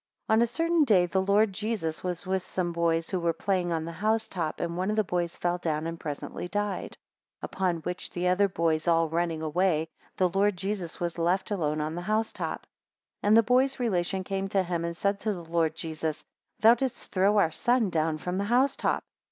4 On a certain day the Lord Jesus was with some boys, who were playing on the house top, and one of the boys fell down, and presently died. 5 Upon which the other boys all running away, the Lord Jesus was left alone on the house top. 6 And the boy's relations came to him and said to the Lord Jesus, Thou didst throw our son down from the house top.